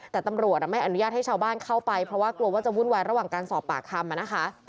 แต่ตำรวจไม่อนุญาตให้ชาวบ้านเข้าไปเพราะว่ากลัวว่าจะวุ่นวายระหว่างการสอบปากคำนะคะ